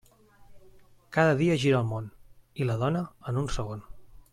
Cada dia gira el món, i la dona en un segon.